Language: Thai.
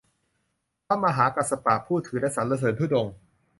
พระมหากัสสปะ ผู้ถือและสรรเสิรญธุดงค์